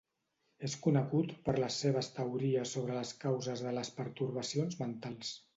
És conegut per les seves teories sobre les causes de les pertorbacions mentals.